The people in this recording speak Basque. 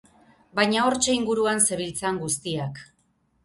Baina hortxe inguruan zebiltzan guztiak.